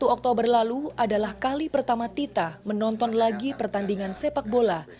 satu oktober lalu adalah kali pertama tita menonton lagi pertandingan sepak bola